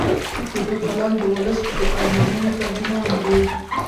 د ده قلم د ولس د ارمانونو ترجمان دی.